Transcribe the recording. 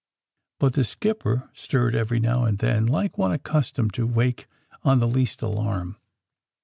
But tlie skipper stirred, every now and then, like one accustomed to wake on the least alarm.